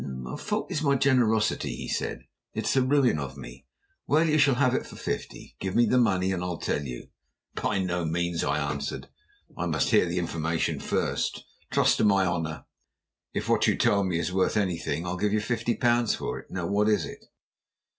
"My fault is my generosity," he said. "It's the ruin of me. Well, you shall have it for fifty. Give me the money, and I'll tell you." "By no means," I answered. "I must hear the information first. Trust to my honour. If what you tell me is worth anything, I'll give you fifty pounds for it. Now what is it?"